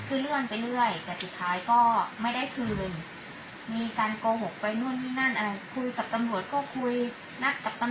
คือเลื่อนไปเรื่อยแต่สุดท้ายก็ไม่ได้คืนมีการโกหกไปนู่นนี่นั่นอ่า